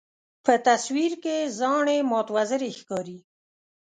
په تصویر کې زاڼې مات وزرې ښکاري.